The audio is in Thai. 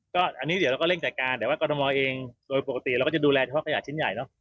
ก็อันนี้เดี๋ยวเราก็เร่งจัดการแต่ว่ากรทมเองโดยปกติเราก็จะดูแลเฉพาะขยะชิ้นใหญ่เนอะ